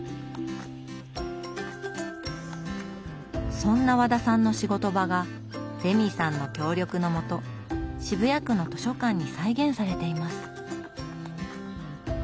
そんな和田さんの仕事場がレミさんの協力のもと渋谷区の図書館に再現されています。